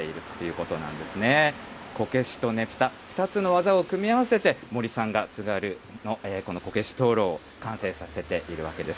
こけしとねぷた、２つの技を組み合わせて、森さんが津軽のこのこけし灯ろうを完成させているわけです。